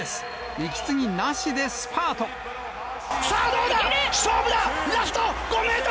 息継ぎなしでスパート。